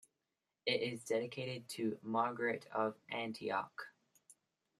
It is dedicated to Margaret of Antioch.